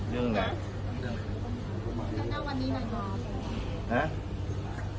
เรื่องอะไร